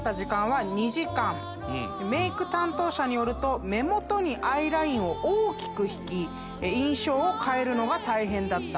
メーク担当者によると目元にアイラインを大きく引き印象を変えるのが大変だった。